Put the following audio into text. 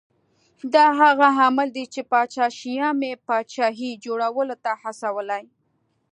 دا هغه عامل دی چې پاچا شیام یې پاچاهۍ جوړولو ته هڅولی